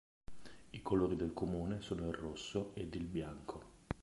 I colori del comune sono il rosso ed il bianco.